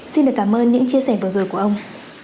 xin được cảm ơn những chia sẻ vừa rồi của ông